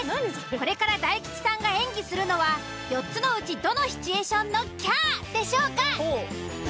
これから大吉さんが演技するのは４つのうちどのシチュエーションの「きゃー」でしょうか。